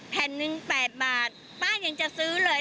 แผ่นหนึ่ง๘บาทป้ายังจะซื้อเลย